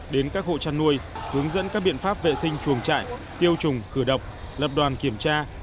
đến các hộ chăn nuôi hướng dẫn các biện pháp vệ sinh chuồng trại tiêu chủng khử độc lập đoàn kiểm tra